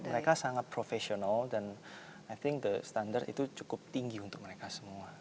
mereka sangat profesional dan i think the standard itu cukup tinggi untuk mereka semua